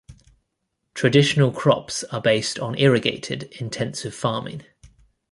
Traditional crops are based on irrigated, intensive farming.